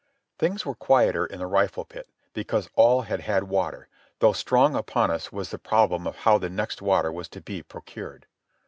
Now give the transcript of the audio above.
Things were quieter in the rifle pit, because all had had water, though strong upon us was the problem of how the next water was to be procured.